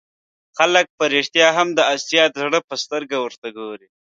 خلک په رښتیا هم د آسیا د زړه په سترګه ورته وګوري.